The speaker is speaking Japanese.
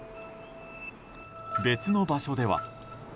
別の場所では。